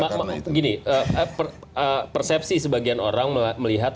bang gini persepsi sebagian orang melihat